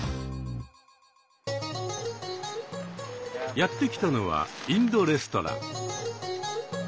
やって来たのはインドレストラン。